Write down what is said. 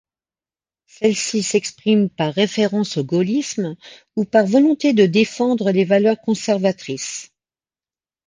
Celle-ci s'exprime par référence au gaullisme ou par volonté de défendre les valeurs conservatrices.